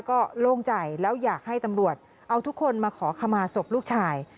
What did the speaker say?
ก็โล่งใจแล้วอยากให้ตำรวจเอาทุกคนมาขอขมาศพลูกชาย